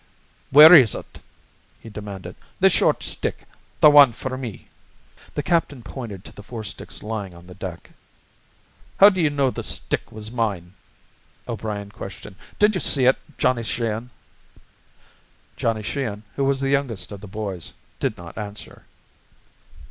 "Where is ut?" he demanded. "The short stick? The wan for me?" The captain pointed to the four sticks lying on the deck. "How do you know the stick was mine?" O'Brien questioned. "Did you see ut, Johnny Sheehan?" Johnny Sheehan, who was the youngest of the boys, did not answer.